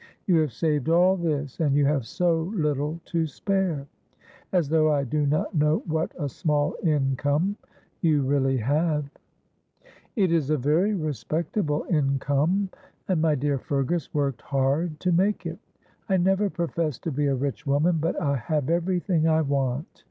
You have saved all this, and you have so little to spare as though I do not know what a small income you really have." "It is a very respectable income, and my dear Fergus worked hard to make it. I never professed to be a rich woman, but I have everything I want.